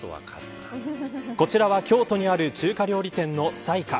こちらは京都にある中華料理店の齋華。